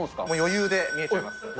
もう余裕で見えてます。